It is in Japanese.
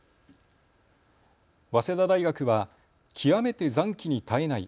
早稲田大学は極めてざんきに堪えない。